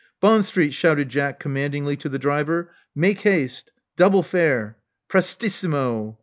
"Bond Street," shouted Jack commandingly to the driver. Make haste. Double fare. Prestissimo!"